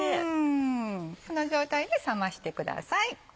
この状態で冷ましてください。